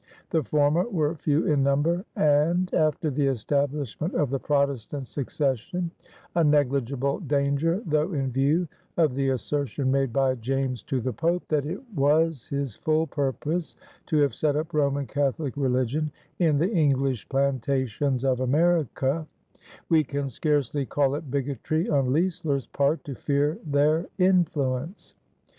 The former were few in number and, after the establishment of the Protestant succession, a negligible danger, though in view of the assertion made by James to the Pope that "it was his full purpose to have set up Roman Catholic Religion in the English Plantations of America," we can scarcely call it bigotry on Leisler's part to fear their influence.